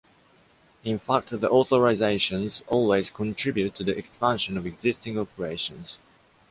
In fact, the authorizations always contribute to the expansion of existing operations.